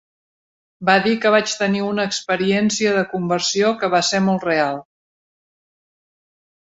Va dir que vaig tenir una experiència de conversió que va ser molt real...